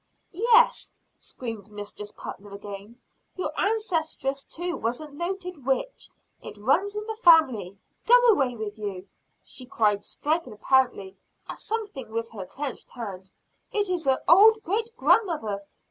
"Yes," screamed Mistress Putnam again, "your ancestress too was a noted witch. It runs in the family. Go away with you!" she cried striking apparently at something with her clenched hand. "It is her old great grandmother!